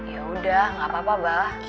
yaudah gak apa apa mba